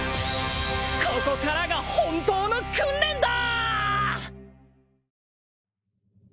ここからが本当の訓練だ！